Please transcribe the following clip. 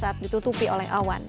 saat ditutupi oleh amin